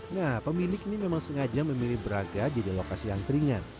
nah pemilik ini memang sengaja memilih braga jadi lokasi angkringan